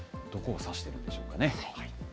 どこをさしてるんでしょうかね？